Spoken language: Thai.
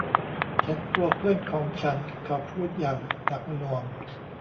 ฉันกลัวเพื่อนของฉันเขาพูดอย่างหนักหน่วง